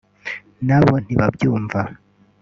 nabo ntibabyumva